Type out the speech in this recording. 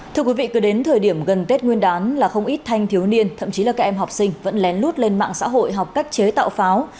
thưa quý vị cứ đến thời điểm gần tết nguyên đán là không ít thanh thiếu niên thậm chí là các em học sinh vẫn lén lút lên mạng xã hội học cách chế tạo pháo